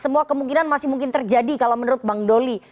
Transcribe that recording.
semua kemungkinan masih mungkin terjadi kalau menurut bang doli